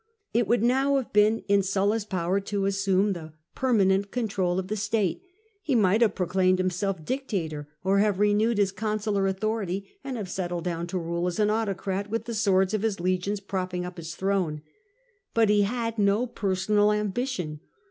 It would now have been in Sulla's power to assume, the permanent control of the st^te. He might have pro claimed himself dictator, or have renewed his consular authority, and have settled down to rule as an autocrat with the swords of his legions propping up his throne. But he had no personal a mhition.